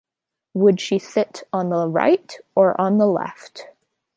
Would she sit on the right or on the left?